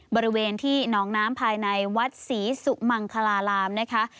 บริเวณที่หนองน้ำภายในวัดศรีสุมังคลารามนะคะ